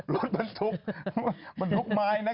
รถมันทุกมันทุกไม้นะ